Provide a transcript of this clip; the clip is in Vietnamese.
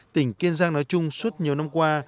tỉnh kiên giang nói chung suốt nhiều năm qua